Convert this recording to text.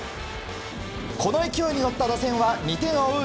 この勢いに乗った打線は２点を追う